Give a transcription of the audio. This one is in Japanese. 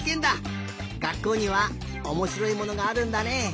がっこうにはおもしろいものがあるんだね。